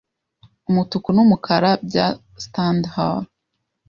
Umutuku n'Umukara by Stendhal